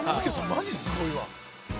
マジすごいわ。